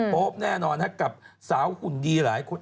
โป๊ปแน่นอนกับสาวหุ่นดีหลายคน